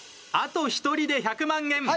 あと１人で１００万円。